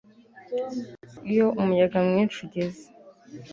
iyo umuyaga mwinshi ugeze